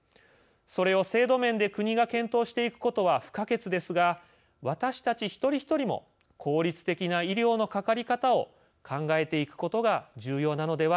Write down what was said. それを制度面で国が検討していくことは不可欠ですが私たち一人一人も効率的な医療のかかり方を考えていくことが重要なのではないでしょうか。